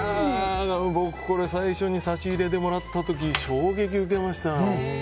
僕これ最初に差し入れでもらった時衝撃でしたよ。